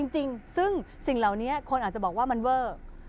จริงซึ่งสิ่งเหล่านี้คนอาจจะบอกว่ามันเวอร์